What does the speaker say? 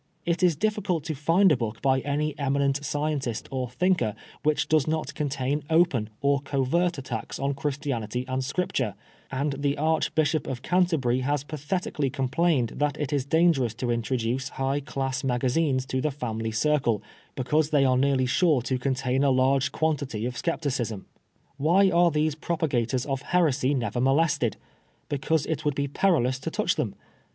It is difficult to find a book by any eminent scientist or thinker which does not contain open or covert attacks on Christianity and Scripture, and the Archbishop of Canterbury has pathetically complained that it is dangerous to introduce high class magazines to the family circle, because they are nearly sure to contain a large quantity of scepticism. Why are these propagators of heresy never molested? Because it would be perilous to touch them.